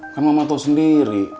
kan mama tau sendiri